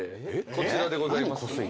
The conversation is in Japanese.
こちらでございます。